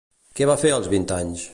Què va fer als vint anys?